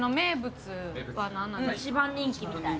一番人気みたいな。